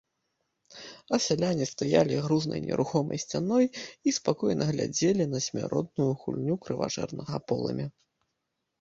А сяляне стаялі грузнай нерухомай сцяной і спакойна глядзелі на смяротную гульню крыважэрнага полымя.